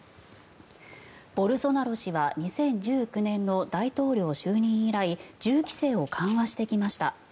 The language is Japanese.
ボルソナロ氏は２０１９年の大統領就任以来銃規制を緩和してきました。